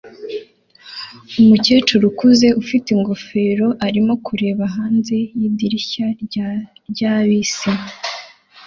Umukecuru ukuze ufite ingofero arimo kureba hanze yidirishya rya bisi